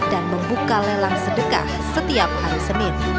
dan juga lelang sedekah setiap hari senin